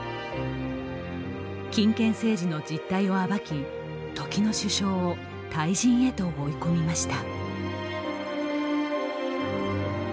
金権政治の実態を暴き時の首相を退陣へと追い込みました。